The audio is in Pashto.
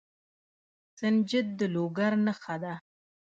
سنجد د لوګر نښه ده.